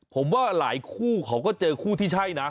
ผมว่าหลายคู่เขาก็เจอคู่ที่ใช่นะ